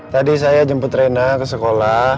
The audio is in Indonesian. tadi saya jemput rena ke sekolah